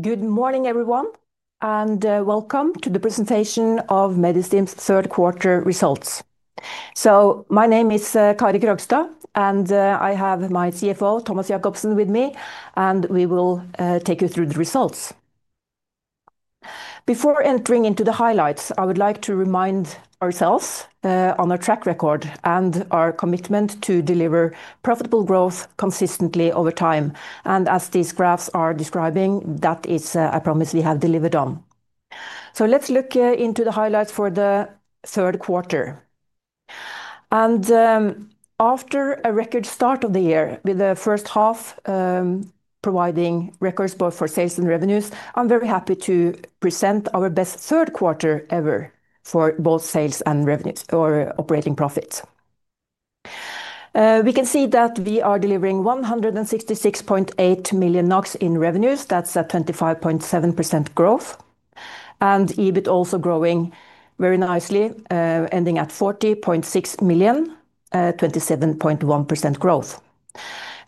Good morning, everyone, and welcome to the presentation of Medistim's third quarter results. My name is Kari Krogstad, and I have my CFO, Thomas Jakobsen, with me, and we will take you through the results. Before entering into the highlights, I would like to remind ourselves of our track record and our commitment to deliver profitable growth consistently over time. As these graphs are describing, that is a promise we have delivered on. Let's look into the highlights for the third quarter. After a record start of the year, with the first half providing records both for sales and revenues, I'm very happy to present our best third quarter ever for both sales and revenues, or operating profits. We can see that we are delivering 166.8 million NOK in revenues. That's a 25.7% growth. EBIT also growing very nicely, ending at 40.6 million, 27.1% growth.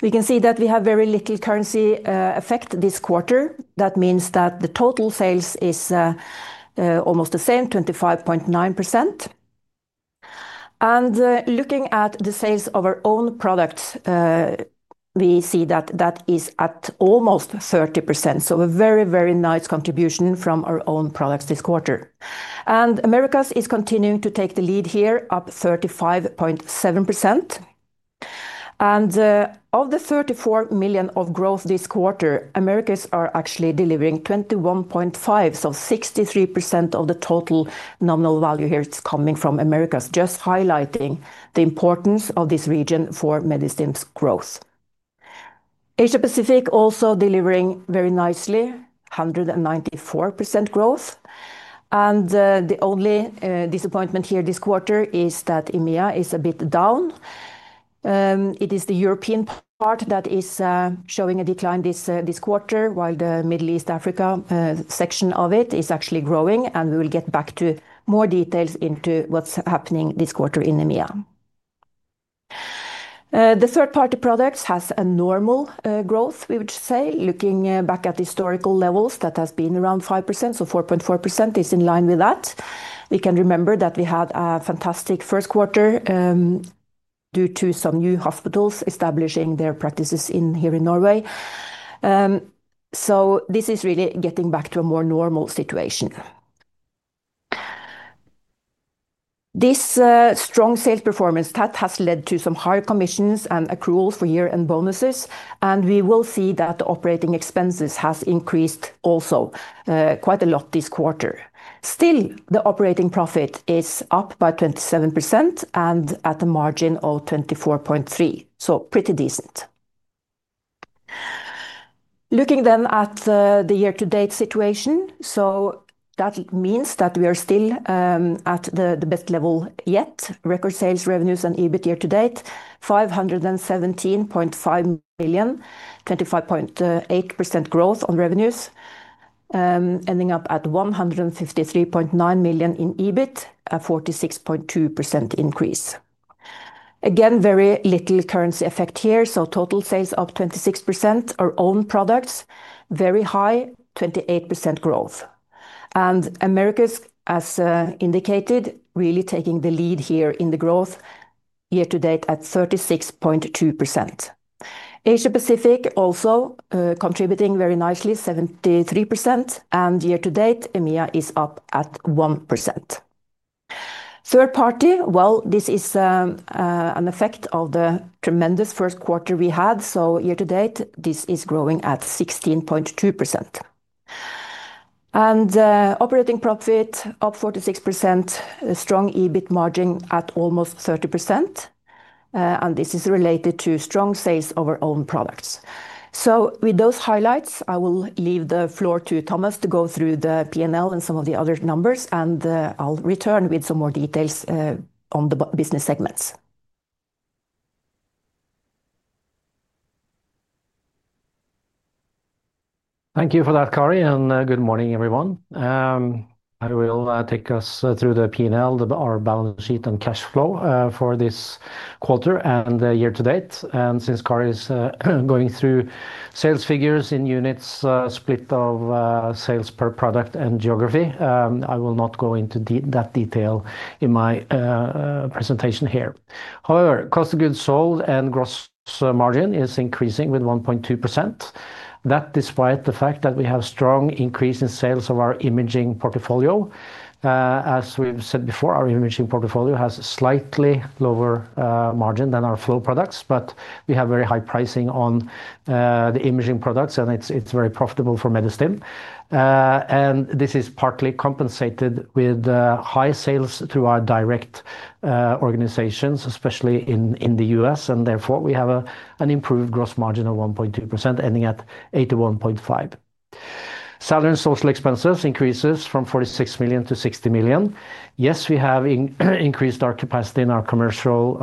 We can see that we have very little currency effect this quarter. That means that the total sales is almost the same, 25.9%. Looking at the sales of our own products, we see that that is at almost 30%. A very, very nice contribution from our own products this quarter. Americas is continuing to take the lead here, up 35.7%. Of the 34 million of growth this quarter, Americas is actually delivering 21.5 million. 63% of the total nominal value here is coming from Americas, just highlighting the importance of this region for Medistim's growth. Asia-Pacific is also delivering very nicely, 194% growth. The only disappointment here this quarter is that EMEA is a bit down. It is the European part that is showing a decline this quarter, while the Middle East/Africa section of it is actually growing. We will get back to more details into what's happening this quarter in EMEA. The third-party products have a normal growth, we would say. Looking back at historical levels, that has been around 5%. 4.4% is in line with that. We can remember that we had a fantastic first quarter due to some new hospitals establishing their practices here in Norway. This is really getting back to a more normal situation. This strong sales performance has led to some high commissions and accruals for year-end bonuses. We will see that the operating expenses have increased also quite a lot this quarter. Still, the operating profit is up by 27% and at a margin of 24.3%. Pretty decent. Looking then at the year-to-date situation, that means that we are still at the best level yet. Record sales revenues and EBIT year to date: 517.5 million, 25.8% growth on revenues, ending up at 153.9 million in EBIT, a 46.2% increase. Again, very little currency effect here. Total sales up 26%. Our own products are very high, 28% growth. Americas, as indicated, really taking the lead here in the growth year to date at 36.2%. Asia-Pacific is also contributing very nicely, 73%. Year to date, EMEA is up at 1%. Third party, this is an effect of the tremendous first quarter we had. Year to date, this is growing at 16.2%. Operating profit up 46%, strong EBIT margin at almost 30%. This is related to strong sales of our own products. With those highlights, I will leave the floor to Thomas to go through the P&L and some of the other numbers, and I'll return with some more details on the business segments. Thank you for that, Kari, and good morning, everyone. I will take us through the P&L, our balance sheet, and cash flow for this quarter and year to date. Since Kari is going through sales figures in units, split of sales per product, and geography, I will not go into that detail in my presentation here. However, cost of goods sold and gross margin is increasing with 1.2%. That's despite the fact that we have a strong increase in sales of our imaging portfolio. As we've said before, our imaging portfolio has a slightly lower margin than our flow products, but we have very high pricing on the imaging products, and it's very profitable for Medistim. This is partly compensated with high sales through our direct organizations, especially in the U.S. Therefore, we have an improved gross margin of 1.2%, ending at 81.5%. Salary and social expenses increase from 46 million to 60 million. Yes, we have increased our capacity in our commercial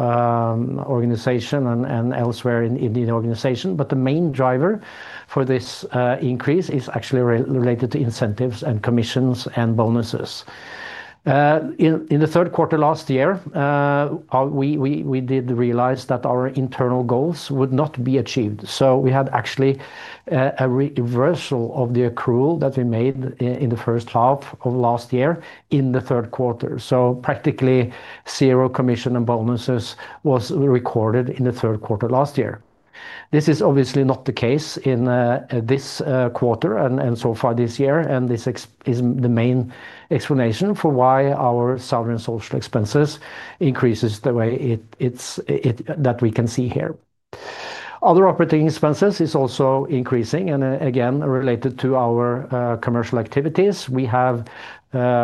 organization and elsewhere in the organization, but the main driver for this increase is actually related to incentives and commissions and bonuses. In the third quarter last year, we did realize that our internal goals would not be achieved. We had actually a reversal of the accrual that we made in the first half of last year in the third quarter. Practically zero commission and bonuses were recorded in the third quarter last year. This is obviously not the case in this quarter and so far this year, and this is the main explanation for why our salary and social expenses increase the way that we can see here. Other operating expenses are also increasing, and again, related to our commercial activities. We have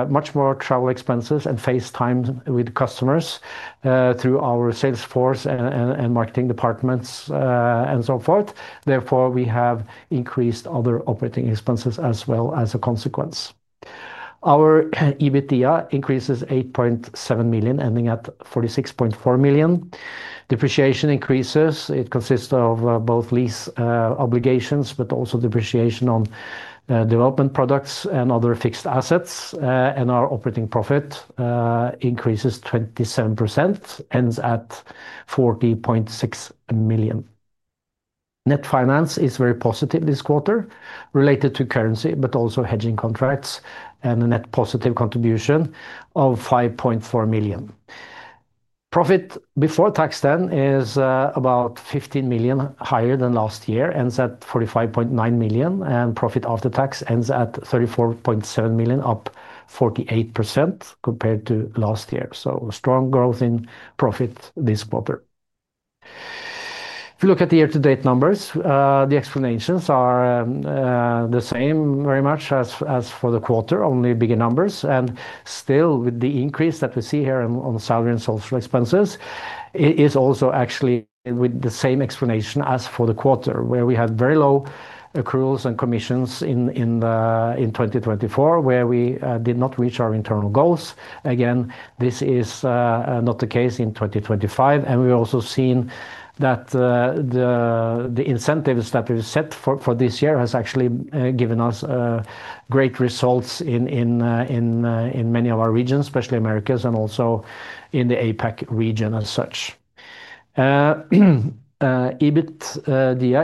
much more travel expenses and face time with customers through our sales force and marketing departments and so forth. Therefore, we have increased other operating expenses as well as a consequence. Our EBITDA increases 8.7 million, ending at 46.4 million. Depreciation increases. It consists of both lease obligations, but also depreciation on development products and other fixed assets. Our operating profit increases 27%, ends at 40.6 million. Net finance is very positive this quarter, related to currency, but also hedging contracts and a net positive contribution of 5.4 million. Profit before tax then is about 15 million higher than last year, ends at 45.9 million, and profit after tax ends at 34.7 million, up 48% compared to last year. Strong growth in profit this quarter. If we look at the year-to-date numbers, the explanations are the same very much as for the quarter, only bigger numbers. Still, with the increase that we see here on salary and social expenses, it is also actually with the same explanation as for the quarter, where we had very low accruals and commissions in 2024, where we did not reach our internal goals. This is not the case in 2025. We've also seen that the incentives that we've set for this year have actually given us great results in many of our regions, especially Americas, and also in the APAC region as such. EBITDA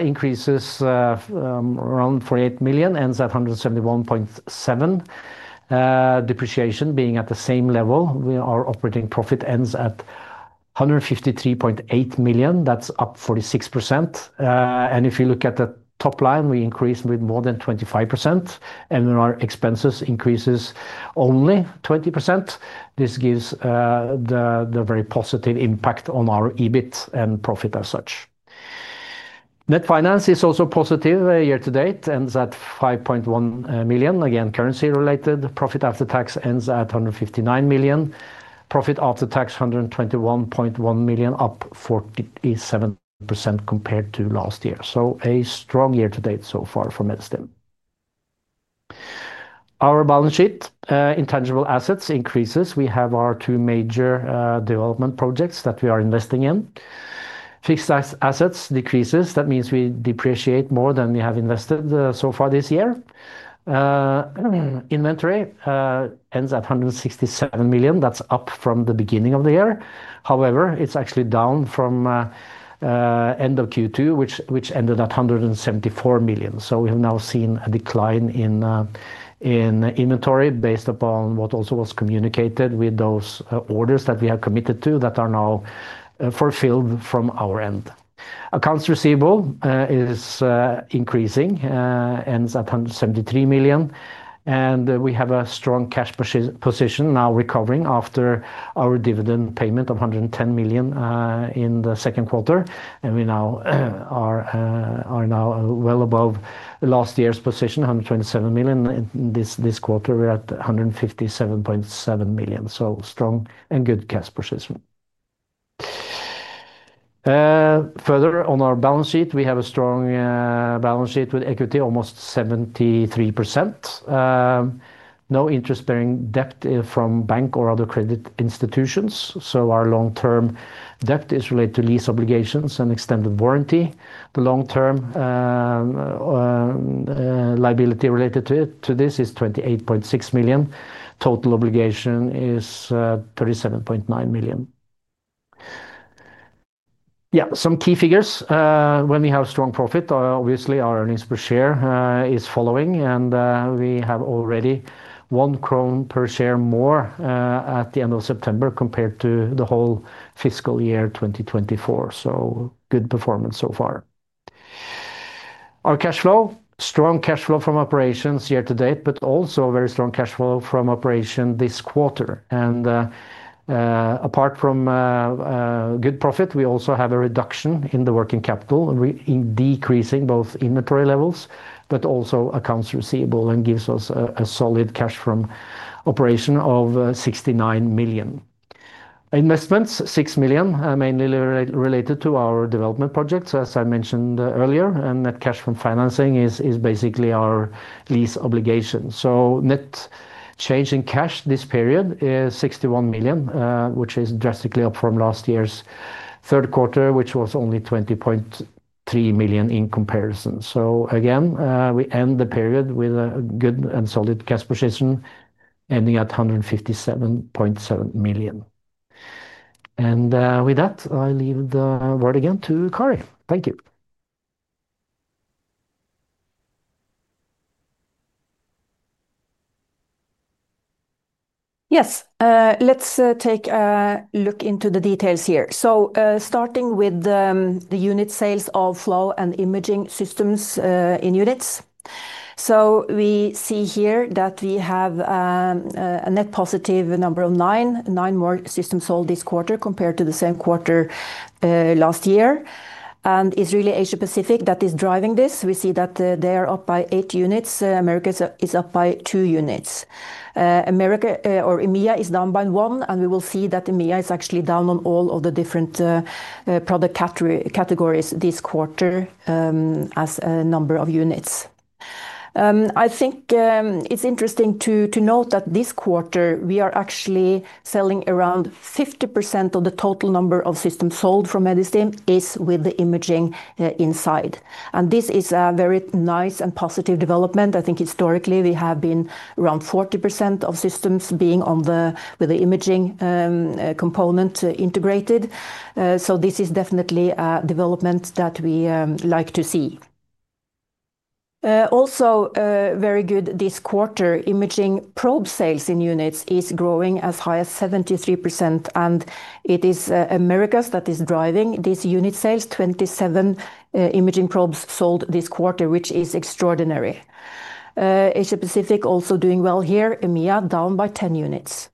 increases around 48 million, ends at 171.7 million. Depreciation being at the same level, our operating profit ends at 153.8 million. That's up 46%. If you look at the top line, we increase with more than 25%, and our expenses increase only 20%. This gives a very positive impact on our EBIT and profit as such. Net finance is also positive year to date, ends at 5.1 million, currency-related. Profit after tax ends at 159 million. Profit after tax, 121.1 million, up 47% compared to last year. Strong year to date so far for Medistim. Our balance sheet, intangible assets increases. We have our two major development projects that we are investing in. Fixed assets decrease. That means we depreciate more than we have invested so far this year. Inventory ends at 167 million. That's up from the beginning of the year. However, it's actually down from the end of Q2, which ended at 174 million. We have now seen a decline in inventory based upon what also was communicated with those orders that we have committed to that are now fulfilled from our end. Accounts receivable is increasing, ends at 173 million. We have a strong cash position now recovering after our dividend payment of 110 million in the second quarter. We are now well above last year's position, 127 million. This quarter, we're at 157.7 million. Strong and good cash position. Further on our balance sheet, we have a strong balance sheet with equity, almost 73%. No interest-bearing debt from bank or other credit institutions. Our long-term debt is related to lease obligations and extended warranty. The long-term liability related to this is 28.6 million. Total obligation is 37.9 million. Some key figures. When we have strong profit, obviously our earnings per share are following, and we have already 1 krone per share more at the end of September compared to the whole fiscal year 2024. Good performance so far. Our cash flow, strong cash flow from operations year to date, but also a very strong cash flow from operations this quarter. Apart from good profit, we also have a reduction in the working capital, decreasing both inventory levels, but also accounts receivable, and gives us a solid cash from operations of 69 million. Investments, 6 million, mainly related to our development projects, as I mentioned earlier. Net cash from financing is basically our lease obligations. Net change in cash this period is 61 million, which is drastically up from last year's third quarter, which was only 20.3 million in comparison. We end the period with a good and solid cash position, ending at 157.7 million. With that, I leave the word again to Kari. Thank you. Yes, let's take a look into the details here. Starting with the unit sales of flow and imaging systems in units, we see here that we have a net positive number of nine, nine more systems sold this quarter compared to the same quarter last year. It's really Asia-Pacific that is driving this. We see that they are up by eight units. Americas is up by two units. EMEA is down by one, and we will see that EMEA is actually down on all of the different product categories this quarter as a number of units. I think it's interesting to note that this quarter we are actually selling around 50% of the total number of systems sold from Medistim with the imaging inside. This is a very nice and positive development. I think historically we have been around 40% of systems being on the imaging component integrated. This is definitely a development that we like to see. Also, very good this quarter, imaging probe sales in units is growing as high as 73%, and it is Americas that is driving these unit sales. 27 imaging probes sold this quarter, which is extraordinary. Asia-Pacific also doing well here. EMEA down by 10 units.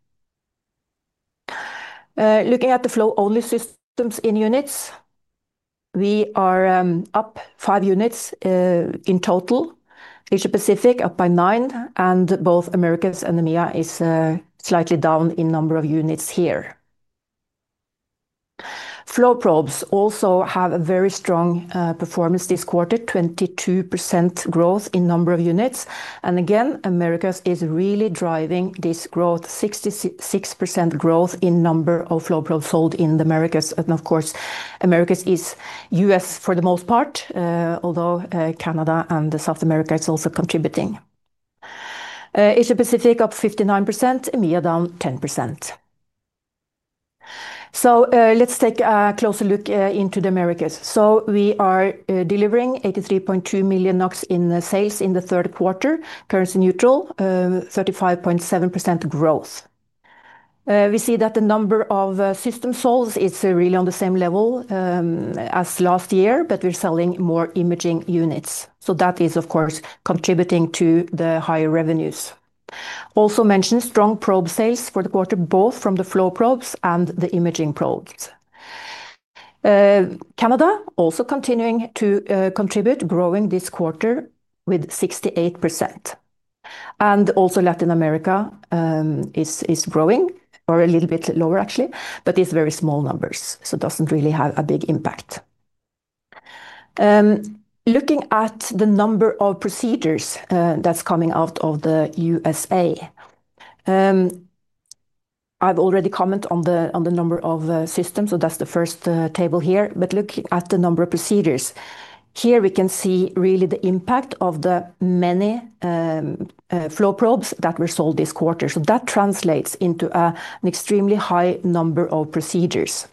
Looking at the flow-only systems in units, we are up five units in total. Asia-Pacific up by nine, and both Americas and EMEA are slightly down in the number of units here. Flow probes also have a very strong performance this quarter, 22% growth in the number of units. Again, Americas is really driving this growth, 66% growth in the number of flow probes sold in Americas. Of course, Americas is U.S. for the most part, although Canada and South America are also contributing. Asia-Pacific up 59%, EMEA down 10%. Let's take a closer look into the Americas. We are delivering 83.2 million NOK in sales in the third quarter, currency neutral, 35.7% growth. We see that the number of systems sold is really on the same level as last year, but we're selling more imaging units. That is, of course, contributing to the higher revenues. Also mentioned strong probe sales for the quarter, both from the flow probes and the imaging probes. Canada also continuing to contribute, growing this quarter with 68%. Also, Latin America is growing, or a little bit lower actually, but it's very small numbers. It doesn't really have a big impact. Looking at the number of procedures that's coming out of the U.S., I've already commented on the number of systems, so that's the first table here. Looking at the number of procedures, here we can see really the impact of the many flow probes that were sold this quarter. That translates into an extremely high number of procedures.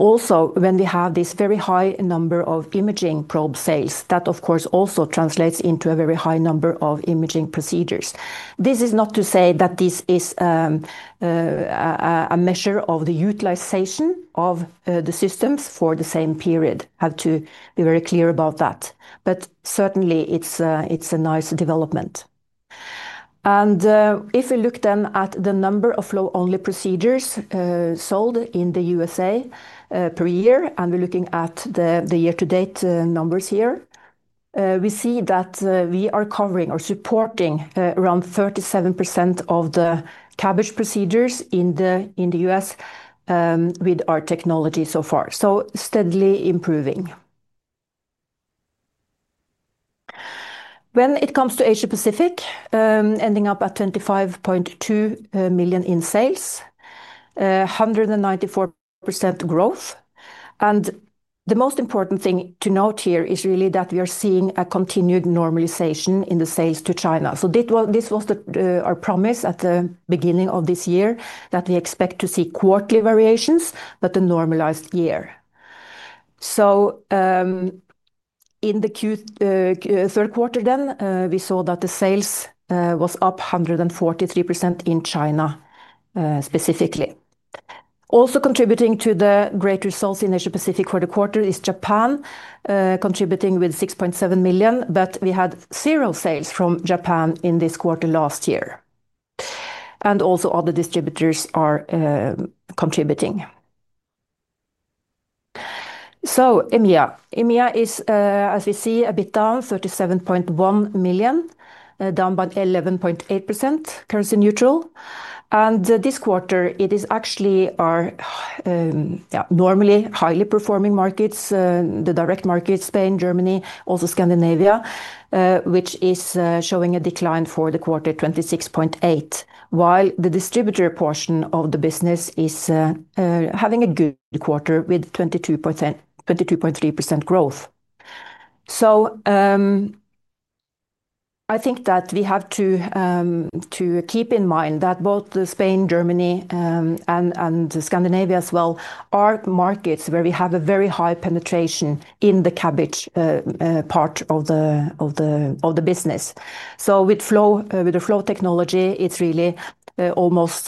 Also, when we have this very high number of imaging probe sales, that of course also translates into a very high number of imaging procedures. This is not to say that this is a measure of the utilization of the systems for the same period. I have to be very clear about that. Certainly, it's a nice development. If we look then at the number of flow-only procedures sold in the U.S.A. per year, and we're looking at the year-to-date numbers here, we see that we are covering or supporting around 37% of the CABG procedures in the U.S. with our technology so far. Steadily improving. When it comes to Asia-Pacific, ending up at 25.2 million in sales, 194% growth. The most important thing to note here is really that we are seeing a continued normalization in the sales to China. This was our promise at the beginning of this year that we expect to see quarterly variations, but a normalized year. In the third quarter, we saw that the sales were up 143% in China specifically. Also contributing to the great results in Asia-Pacific for the quarter is Japan contributing with 6.7 million, but we had zero sales from Japan in this quarter last year. Other distributors are also contributing. EMEA is, as we see, a bit down, 37.1 million, down by 11.8%, currency neutral. This quarter, it is actually our normally highly performing markets, the direct markets, Spain, Germany, also Scandinavia, which is showing a decline for the quarter, 26.8 million. The distributor portion of the business is having a good quarter with 22.3% growth. We have to keep in mind that both Spain, Germany, and Scandinavia as well are markets where we have a very high penetration in the CABG part of the business. With the flow technology, it's really almost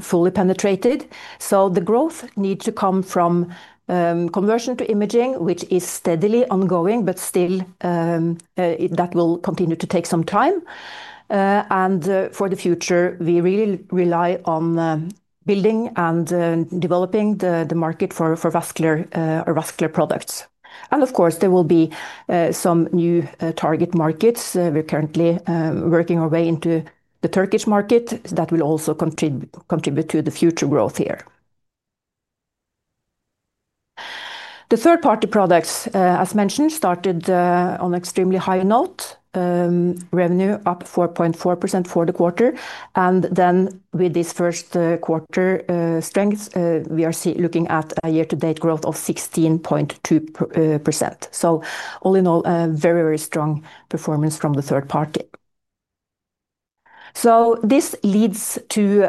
fully penetrated. The growth needs to come from conversion to imaging, which is steadily ongoing, but still that will continue to take some time. For the future, we really rely on building and developing the market for vascular products. Of course, there will be some new target markets. We're currently working our way into the Turkish market. That will also contribute to the future growth here. The third-party products, as mentioned, started on an extremely high note. Revenue up 4.4% for the quarter. With this first quarter strength, we are looking at a year-to-date growth of 16.2%. All in all, a very, very strong performance from the third party. This leads to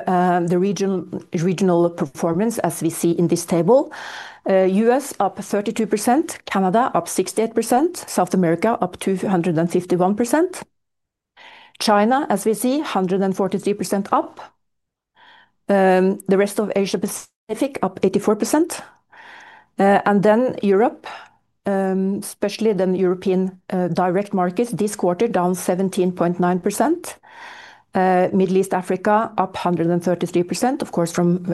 the regional performance as we see in this table. U.S. up 32%, Canada up 68%, South America up 251%. China, as we see, 143% up. The rest of Asia-Pacific up 84%. Europe, especially the European direct markets, this quarter down 17.9%. Middle East/Africa up 133%, of course, from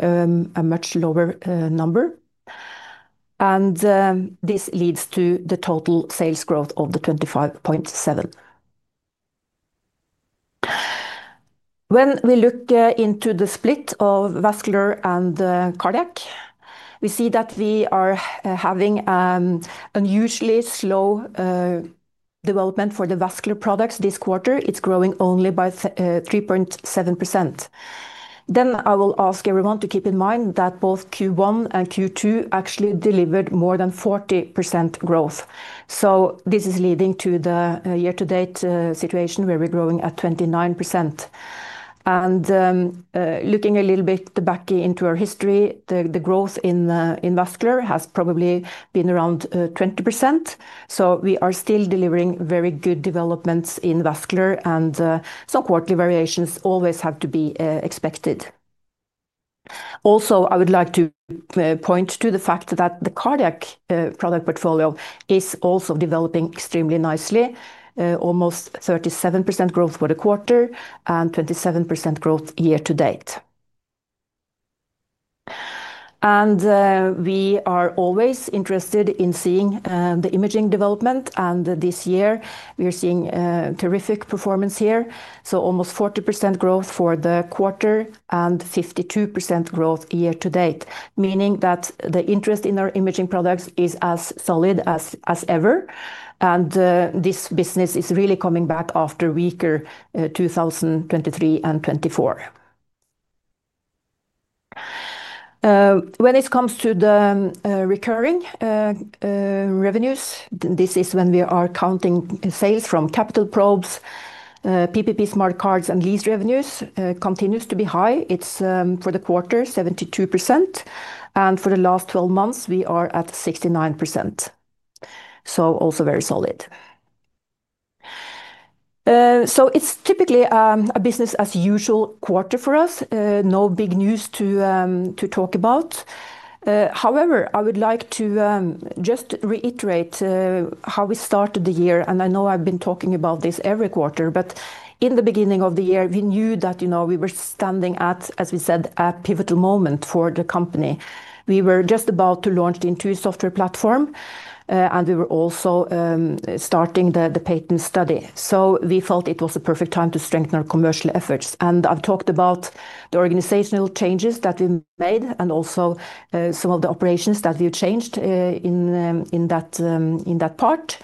a much lower number. This leads to the total sales growth of 25.7%. When we look into the split of vascular and cardiac, we see that we are having an unusually slow development for the vascular products this quarter. It's growing only by 3.7%. I will ask everyone to keep in mind that both Q1 and Q2 actually delivered more than 40% growth. This is leading to the year-to-date situation where we're growing at 29%. Looking a little bit back into our history, the growth in vascular has probably been around 20%. We are still delivering very good developments in vascular, and some quarterly variations always have to be expected. I would like to point to the fact that the cardiac product portfolio is also developing extremely nicely, almost 37% growth for the quarter and 27% growth year to date. We are always interested in seeing the imaging development, and this year we are seeing terrific performance here. Almost 40% growth for the quarter and 52% growth year to date, meaning that the interest in our imaging products is as solid as ever. This business is really coming back after weaker 2023 and 2024. When it comes to the recurring revenues, this is when we are counting sales from capital probes, PPP smart cards, and lease revenues continue to be high. It's for the quarter 72%, and for the last 12 months, we are at 69%. Also very solid. It's typically a business as usual quarter for us. No big news to talk about. However, I would like to just reiterate how we started the year, and I know I've been talking about this every quarter, but in the beginning of the year, we knew that we were standing at, as we said, a pivotal moment for the company. We were just about to launch the Intuit software platform, and we were also starting the patent study. We felt it was a perfect time to strengthen our commercial efforts. I've talked about the organizational changes that we made and also some of the operations that we've changed in that part.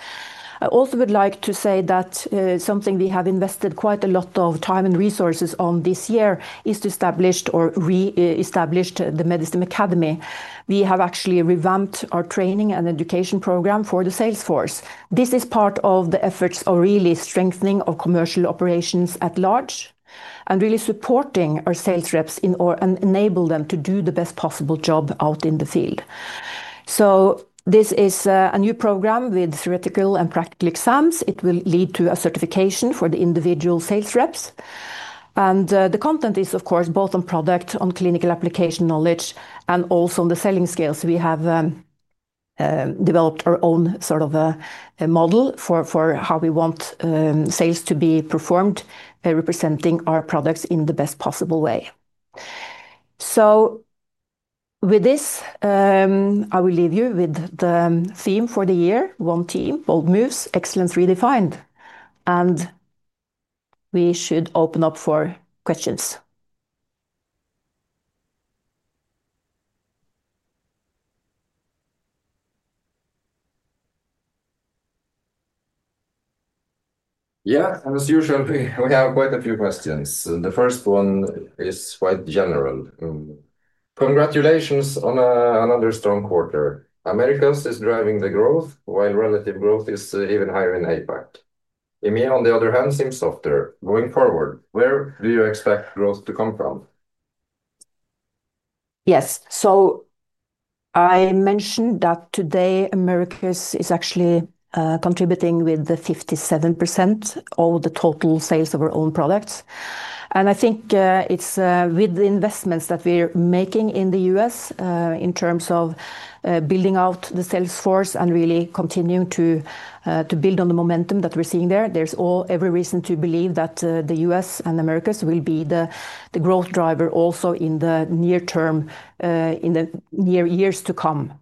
I also would like to say that something we have invested quite a lot of time and resources on this year is to establish or re-establish the Medistim Academy. We have actually revamped our training and education program for the sales force. This is part of the efforts of really strengthening our commercial operations at large and really supporting our sales reps and enabling them to do the best possible job out in the field. This is a new program with theoretical and practical exams. It will lead to a certification for the individual sales reps. The content is, of course, both on product, on clinical application knowledge, and also on the selling skills. We have developed our own sort of model for how we want sales to be performed, representing our products in the best possible way. With this, I will leave you with the theme for the year, one team, bold moves, excellence redefined. We should open up for questions. Yeah, as usual, we have quite a few questions. The first one is quite general. Congratulations on another strong quarter. Americas is driving the growth, while relative growth is even higher in APAC. EMEA, on the other hand, seems softer. Going forward, where do you expect growth to come from? Yes, so I mentioned that today Americas is actually contributing with 57% of the total sales of our own products. I think it's with the investments that we're making in the U.S. in terms of building out the sales force and really continuing to build on the momentum that we're seeing there. There's every reason to believe that the U.S. and Americas will be the growth driver also in the near term in the near years to come.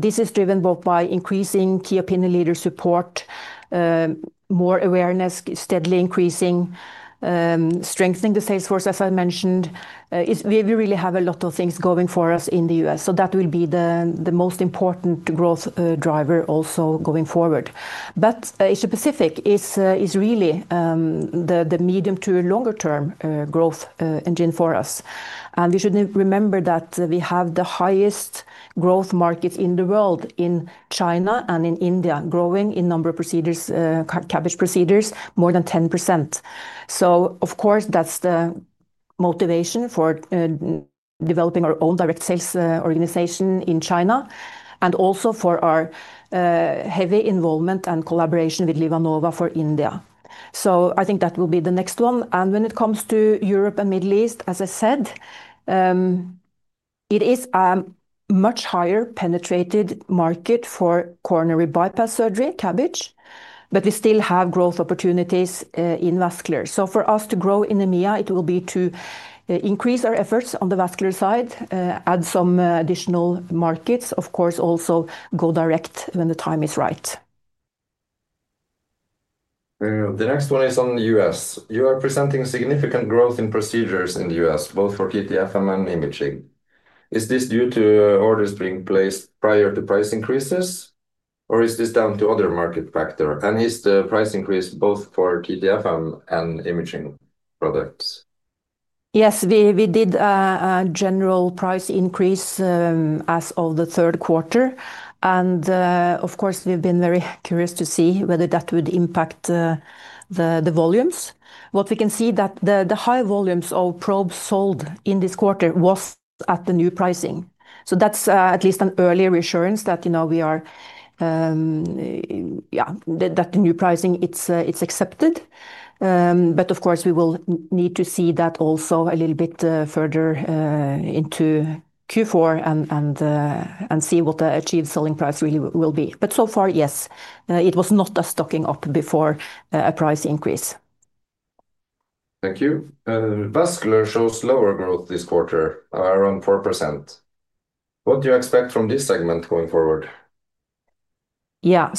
This is driven both by increasing key opinion leaders' support, more awareness, steadily increasing, strengthening the sales force, as I mentioned. We really have a lot of things going for us in the U.S., so that will be the most important growth driver also going forward. Asia-Pacific is really the medium to longer-term growth engine for us. We should remember that we have the highest growth markets in the world in China and in India growing in the number of procedures, CABG procedures, more than 10%. Of course, that's the motivation for developing our own direct sales organization in China and also for our heavy involvement and collaboration with LivaNova for India. I think that will be the next one. When it comes to Europe and the Middle East, as I said, it is a much higher penetrated market for coronary bypass surgery, CABG, but we still have growth opportunities in vascular. For us to grow in EMEA, it will be to increase our efforts on the vascular side, add some additional markets, of course, also go direct when the time is right. The next one is on the U.S. You are presenting significant growth in procedures in the U.S., both for TTFM and imaging. Is this due to orders being placed prior to price increases, or is this down to other market factors? Is the price increase both for TTFM and imaging products? Yes, we did a general price increase as of the third quarter. Of course, we've been very curious to see whether that would impact the volumes. What we can see is that the high volumes of probes sold in this quarter were at the new pricing. That's at least an early reassurance that we are, yeah, that the new pricing is accepted. Of course, we will need to see that also a little bit further into Q4 and see what the achieved selling price really will be. So far, yes, it was not a stocking up before a price increase. Thank you. Vascular shows lower growth this quarter, around 4%. What do you expect from this segment going forward? Yeah,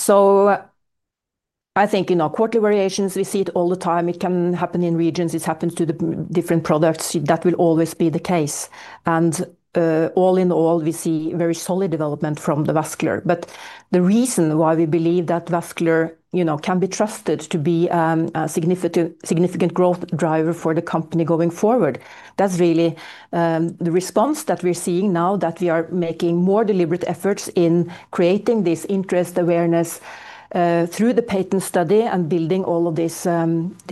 I think, you know, quarterly variations, we see it all the time. It can happen in regions. It happens to the different products. That will always be the case. All in all, we see very solid development from the vascular. The reason why we believe that vascular can be trusted to be a significant growth driver for the company going forward, that's really the response that we're seeing now that we are making more deliberate efforts in creating this interest awareness through the patent study and building all of these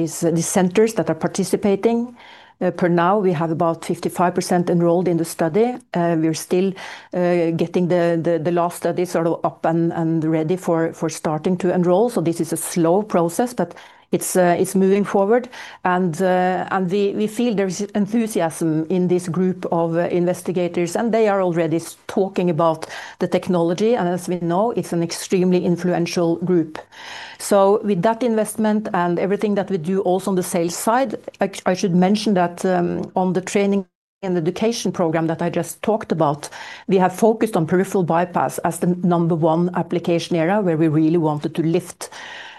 centers that are participating. Per now, we have about 55% enrolled in the study. We're still getting the last study sort of up and ready for starting to enroll. This is a slow process, but it's moving forward. We feel there is enthusiasm in this group of investigators, and they are already talking about the technology. As we know, it's an extremely influential group. With that investment and everything that we do also on the sales side, I should mention that on the training and education program that I just talked about, we have focused on peripheral bypass as the number one application area where we really wanted to lift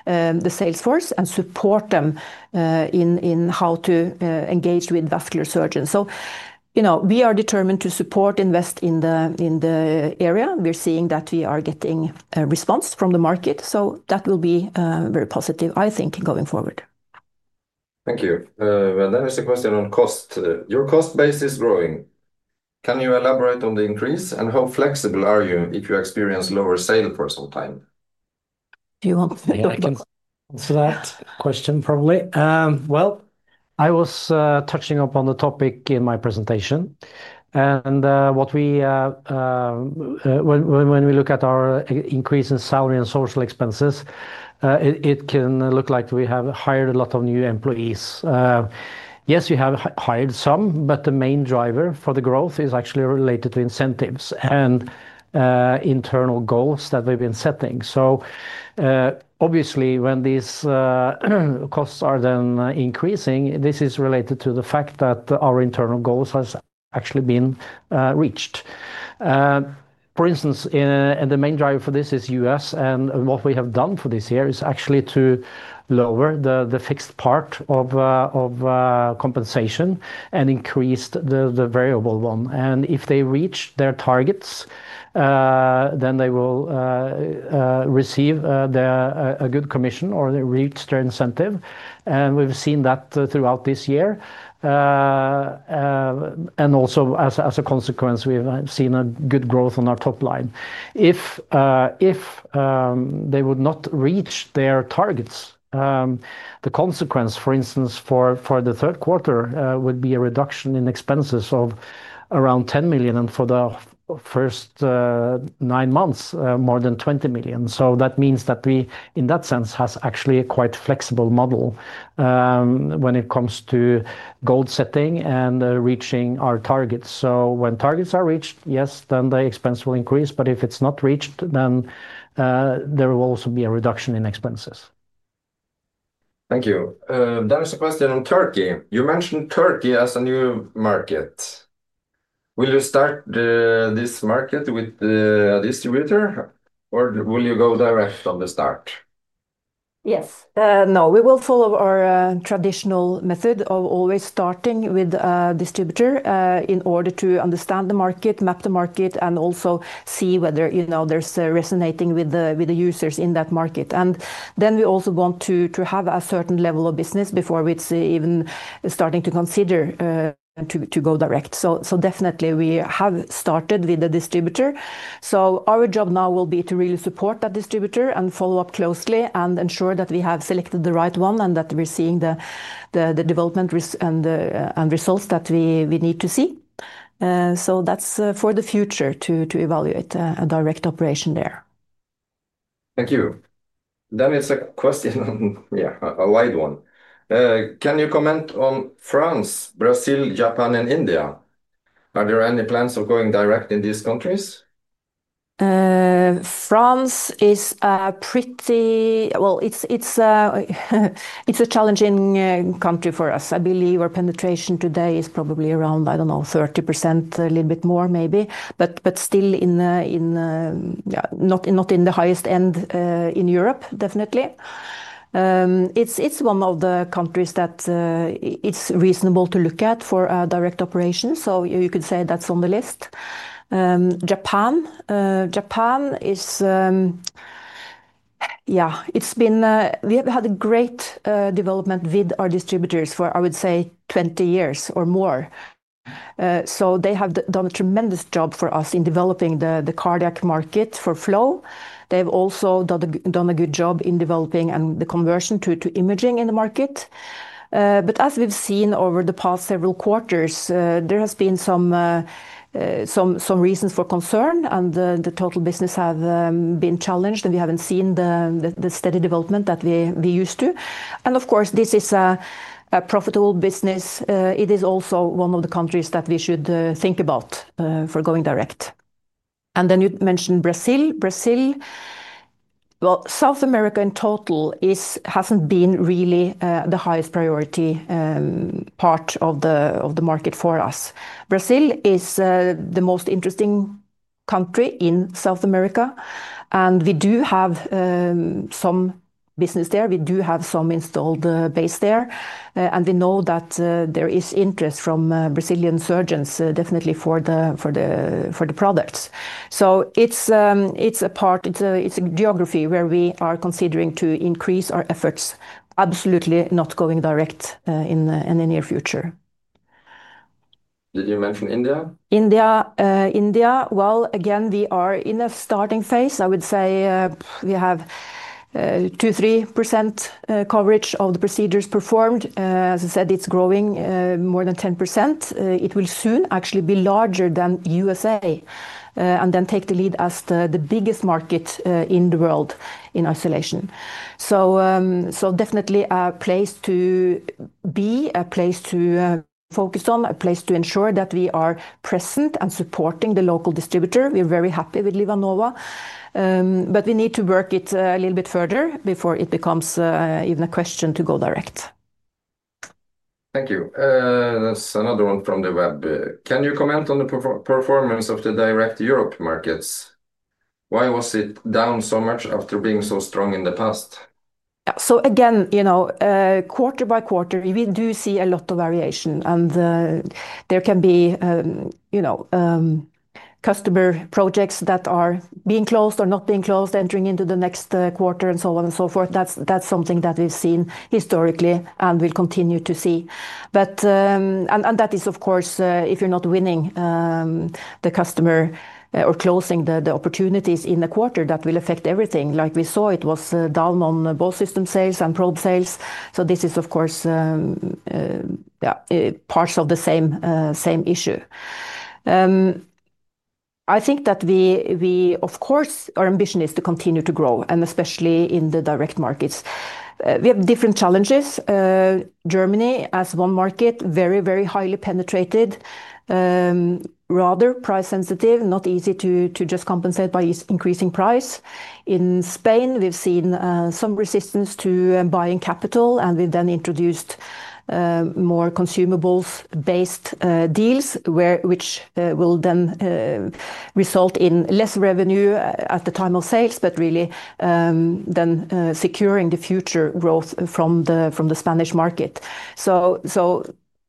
the sales force and support them in how to engage with vascular surgeons. You know, we are determined to support and invest in the area. We're seeing that we are getting a response from the market. That will be very positive, I think, going forward. Thank you. There's a question on cost. Your cost base is growing. Can you elaborate on the increase, and how flexible are you if you experience lower sales for some time? I was touching up on the topic in my presentation. When we look at our increase in salary and social expenses, it can look like we have hired a lot of new employees. Yes, we have hired some, but the main driver for the growth is actually related to incentives and internal goals that we've been setting. Obviously, when these costs are then increasing, this is related to the fact that our internal goals have actually been reached. For instance, the main driver for this is the U.S., and what we have done for this year is actually to lower the fixed part of compensation and increase the variable one. If they reach their targets, then they will receive a good commission or they reach their incentive. We've seen that throughout this year. Also, as a consequence, we've seen a good growth on our top line. If they would not reach their targets, the consequence, for instance, for the third quarter would be a reduction in expenses of around 10 million, and for the first nine months, more than 20 million. That means that we, in that sense, have actually a quite flexible model when it comes to goal setting and reaching our targets. When targets are reached, yes, then the expense will increase, but if it's not reached, then there will also be a reduction in expenses. Thank you. There is a question on Turkey. You mentioned Turkey as a new market. Will you start this market with a distributor, or will you go direct from the start? Yes. No, we will follow our traditional method of always starting with a distributor in order to understand the market, map the market, and also see whether it's resonating with the users in that market. We also want to have a certain level of business before we're even starting to consider to go direct. We have started with a distributor. Our job now will be to really support that distributor and follow up closely and ensure that we have selected the right one and that we're seeing the development and results that we need to see. That's for the future to evaluate a direct operation there. Thank you. It's a question on, yeah, a wide one. Can you comment on France, Brazil, Japan, and India? Are there any plans of going direct in these countries? France is a pretty, well, it's a challenging country for us. I believe our penetration today is probably around, I don't know, 30%, a little bit more maybe, but still not in the highest end in Europe, definitely. It's one of the countries that it's reasonable to look at for direct operations. You could say that's on the list. Japan, Japan, yeah, it's been, we have had a great development with our distributors for, I would say, 20 years or more. They have done a tremendous job for us in developing the cardiac market for flow. They've also done a good job in developing the conversion to imaging in the market. As we've seen over the past several quarters, there have been some reasons for concern, and the total business has been challenged, and we haven't seen the steady development that we used to. Of course, this is a profitable business. It is also one of the countries that we should think about for going direct. You mentioned Brazil. Brazil, South America in total hasn't been really the highest priority part of the market for us. Brazil is the most interesting country in South America, and we do have some business there. We do have some installed base there, and we know that there is interest from Brazilian surgeons definitely for the products. It's a part, it's a geography where we are considering to increase our efforts, absolutely not going direct in the near future. Did you mention India? India, India, we are in a starting phase. I would say we have 2%, 3% coverage of the procedures performed. As I said, it's growing more than 10%. It will soon actually be larger than the U.S.A and then take the lead as the biggest market in the world in isolation. Definitely a place to be, a place to focus on, a place to ensure that we are present and supporting the local distributor. We're very happy with LivaNova, but we need to work it a little bit further before it becomes even a question to go direct. Thank you. There's another one from the web. Can you comment on the performance of the direct Europe markets? Why was it down so much after being so strong in the past? Yeah, so again, quarter by quarter, we do see a lot of variation, and there can be customer projects that are being closed or not being closed, entering into the next quarter, and so on and so forth. That's something that we've seen historically and will continue to see. If you're not winning the customer or closing the opportunities in the quarter, that will affect everything. Like we saw, it was down on both system sales and probe sales. This is, of course, parts of the same issue. I think that our ambition is to continue to grow, and especially in the direct markets. We have different challenges. Germany, as one market, is very, very highly penetrated, rather price sensitive, not easy to just compensate by increasing price. In Spain, we've seen some resistance to buying capital, and we've then introduced more consumables-based deals, which will then result in less revenue at the time of sales, but really then securing the future growth from the Spanish market.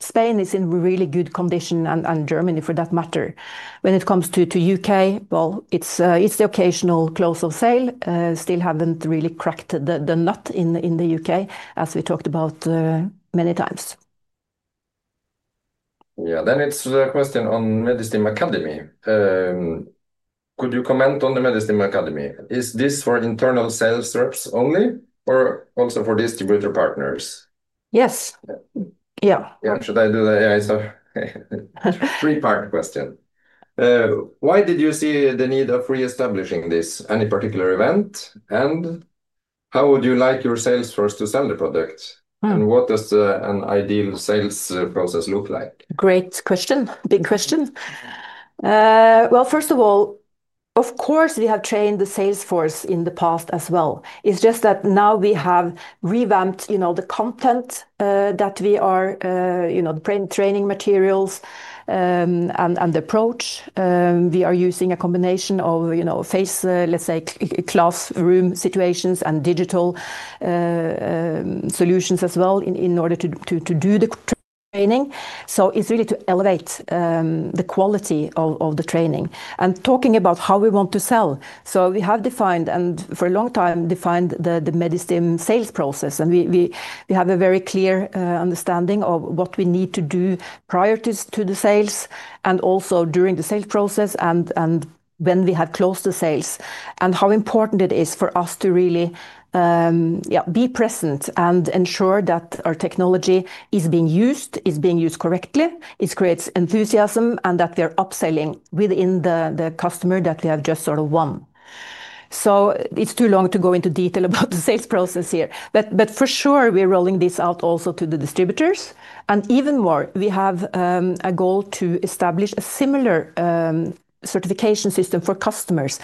Spain is in really good condition, and Germany for that matter. When it comes to the U.K., it's the occasional close of sale. Still haven't really cracked the nut in the U.K., as we talked about many times. Yeah, it's a question on Medistim Academy. Could you comment on the Medistim Academy? Is this for internal sales reps only or also for distributor partners? Yes. Yeah. Should I do that? It's a three-part question. Why did you see the need of reestablishing this? Any particular event? How would you like your sales force to sell the product? What does an ideal sales process look like? Great question, big question. First of all, of course, we have trained the sales force in the past as well. It's just that now we have revamped the content that we are, you know, the training materials and the approach. We are using a combination of classroom situations and digital solutions as well in order to do the training. It's really to elevate the quality of the training and talking about how we want to sell. We have defined, and for a long time, defined the Medistim sales process, and we have a very clear understanding of what we need to do prior to the sales and also during the sales process and when we have closed the sales and how important it is for us to really be present and ensure that our technology is being used, is being used correctly, it creates enthusiasm, and that we are upselling within the customer that we have just sort of won. It's too long to go into detail about the sales process here, but for sure, we're rolling this out also to the distributors. Even more, we have a goal to establish a similar certification system for customers.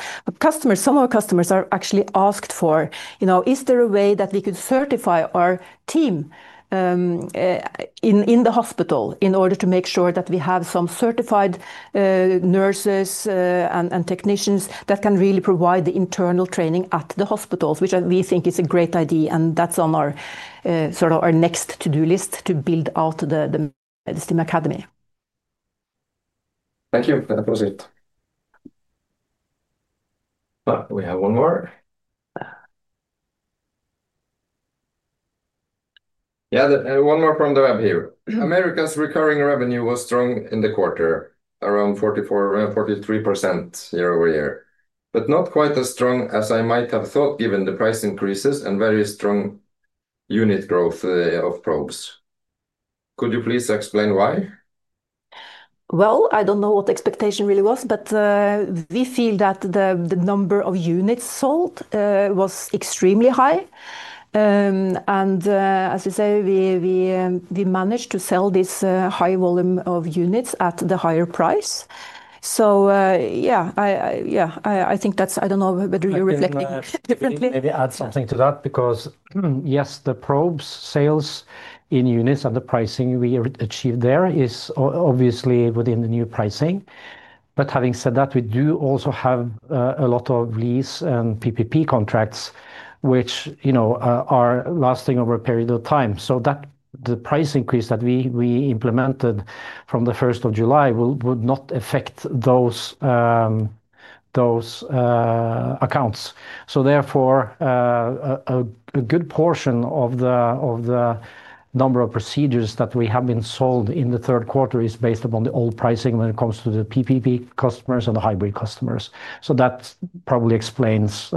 Some of our customers are actually asked for, you know, is there a way that we could certify our team in the hospital in order to make sure that we have some certified nurses and technicians that can really provide the internal training at the hospitals, which we think is a great idea. That's on our sort of next to-do list to build out the Medistim Academy. Thank you. We have one more. Yeah, one more from the web here. Americas recurring revenue was strong in the quarter, around 43% year over year, but not quite as strong as I might have thought given the price increases and very strong unit growth of probes. Could you please explain why? I don't know what the expectation really was, but we feel that the number of units sold was extremely high. As we say, we managed to sell this high volume of units at the higher price. Yeah, I think that's, I don't know whether you're reflecting differently. Maybe add something to that because, yes, the probes sales in units and the pricing we achieve there is obviously within the new pricing. However, we do also have a lot of lease and PPP contracts, which are lasting over a period of time. The price increase that we implemented from 1st of July would not affect those accounts. Therefore, a good portion of the number of procedures that we have been sold in the third quarter is based upon the old pricing when it comes to the PPP customers and the hybrid customers. That probably explains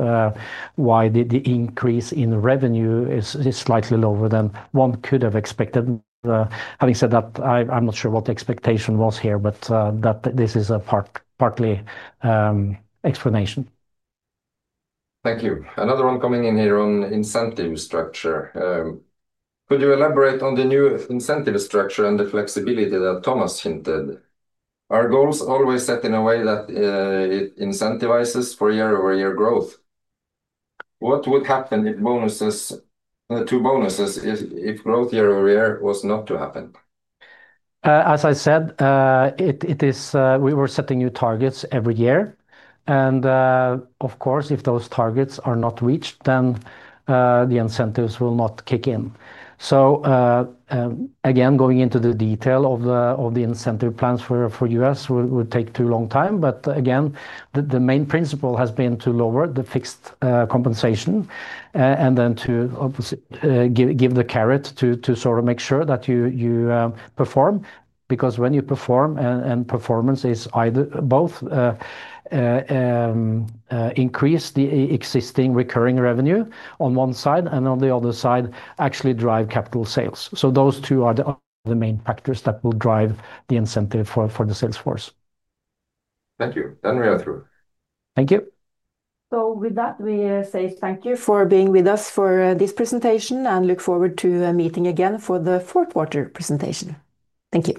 why the increase in revenue is slightly lower than one could have expected. I'm not sure what the expectation was here, but this is a partly explanation. Thank you. Another one coming in here on incentive structure. Could you elaborate on the new incentive structure and the flexibility that Thomas hinted at? Are goals always set in a way that it incentivizes for year-over-year growth? What would happen to bonuses if growth year-over-year was not to happen? As I said, we were setting new targets every year. Of course, if those targets are not reached, then the incentives will not kick in. Again, going into the detail of the incentive plans for the U.S. would take too long time. Again, the main principle has been to lower the fixed compensation and then to give the carrot to sort of make sure that you perform. Because when you perform and performance is either both increase the existing recurring revenue on one side and on the other side actually drive capital sales. Those two are the main factors that will drive the incentive for the sales force. Thank you. We are through. Thank you. With that thank you for being with us for this presentation and look forward to meeting again for the fourth quarter presentation. Thank you.